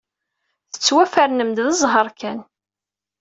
Tettwafernem-d d zzheṛ kan.